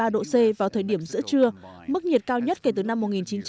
độ c vào thời điểm giữa trưa mức nhiệt cao nhất kể từ năm một nghìn chín trăm sáu mươi một